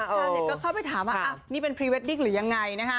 ชาวเน็ตก็เข้าไปถามว่านี่เป็นพรีเวดดิ้งหรือยังไงนะฮะ